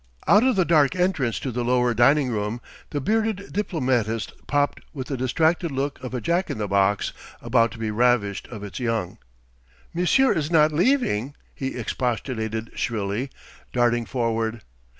Out of the dark entrance to the lower dining room the bearded diplomatist popped with the distracted look of a jack in the box about to be ravished of its young. "Monsieur is not leaving?" he expostulated shrilly, darting forward.